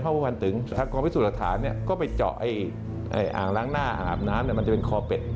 อ่างล้างหน้าอ่างอาบน้ำคือคอเป็ด